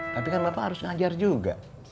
tapi kan bapak harus ngajar juga